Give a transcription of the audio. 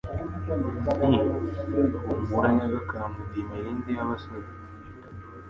Nti: » Humura nyagakambweNdi Mirindi y'abasore